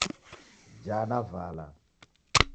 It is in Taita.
Jaa na vala.